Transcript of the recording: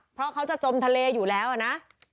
เพราะเขาจะจมทะเลอยู่แล้วนะ